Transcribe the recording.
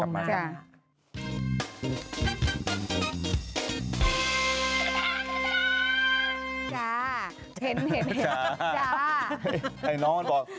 ไม่ต้องตอบ